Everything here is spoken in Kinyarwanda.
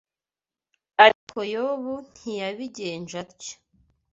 Ariko Yobu ntiyabigenje atyo